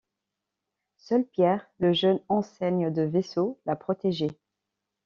Seul Pierre, le jeune enseigne de vaisseau, l'a protégé.